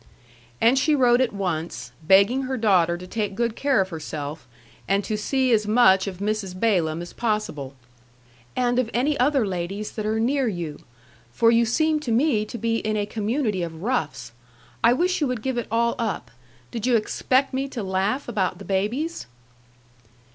And she wrote at once, begging her daughter to take good care of herself, and to see as much of Mrs. Balaam as possible. "And of any other ladies that are near you. For you seem to me to be in a community of roughs. I wish you would give it all up. Did you expect me to laugh about the babies?"